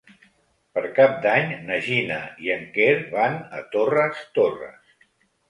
Per Cap d'Any na Gina i en Quer van a Torres Torres.